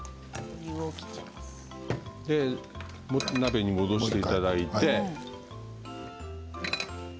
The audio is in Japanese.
それで鍋に戻していただいて。